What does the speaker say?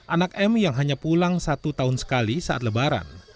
anak m yang hanya pulang satu tahun sekali saat lebaran